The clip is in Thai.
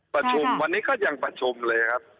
ประชุมวันนี้ก็ยังประชุมเลยครับ